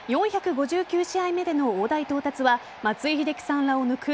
４５９試合目での大台到達は松井秀喜さんらを抜く